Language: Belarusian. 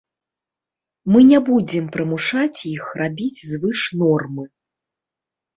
Мы не будзем прымушаць іх рабіць звыш нормы.